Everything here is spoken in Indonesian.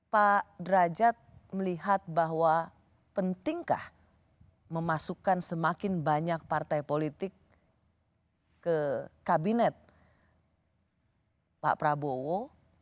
pak derajat melihat bahwa pentingkah memasukkan semakin banyak partai politik ke kabinet pak prabowo